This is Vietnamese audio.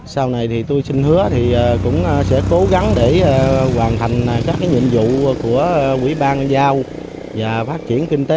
sau này tôi xin hứa cũng sẽ cố gắng để hoàn thành các nhiệm vụ của quý bang giao và phát triển kinh tế